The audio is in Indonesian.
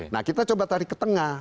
nah kita coba tarik ke tengah